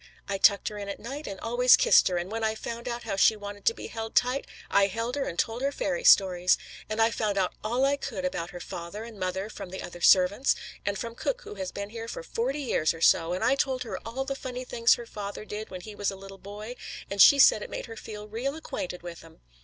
I tucked her in at night and always kissed her, and when I found out how she wanted to be held tight, I held her and told her fairy stories. And I found out all I could about her father and mother from the other servants, and from cook who has been here for forty years or so, and I told her all the funny things her father did when he was a little boy, and she said it made her feel real acquainted with 'em.